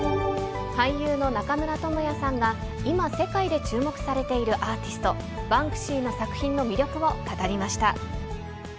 俳優の中村倫也さんが、いま世界で注目されているアーティスト、バンクシーの作品の魅力を語りました。